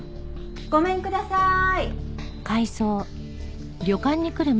ごめんください。